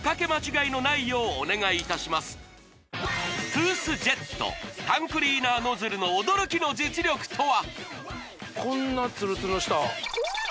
トゥースジェットタンクリーナーノズルの驚きの実力とは？